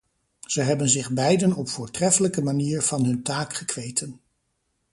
Zij hebben zich beiden op voortreffelijke manier van hun taak gekweten.